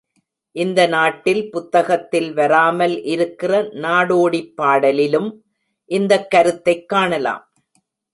இந்த நாட்டில் புத்தகத்தில் வராமல் இருக்கிற நாடோடிப் பாடலிலும் இந்தக் கருத்தைக் காணலாம்.